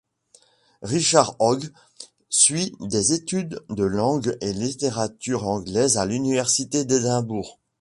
Richard Hogg suit des études de langue et littérature anglaises à l'université d'Édimbourg.